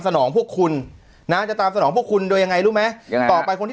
นองพวกคุณนะจะตามสนองพวกคุณโดยยังไงรู้ไหมยังไงต่อไปคนที่